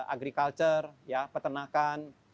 agriculture ya peternakan